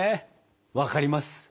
分かります。